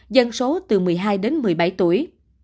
dân số từ một mươi hai đến một mươi bảy tuổi